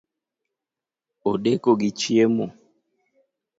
Odeko gi chiemo